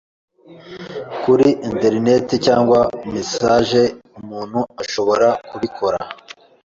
kuri internet cyangwa sms amuntu ashobora kubikora